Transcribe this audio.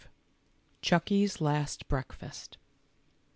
chucky's last breakfast.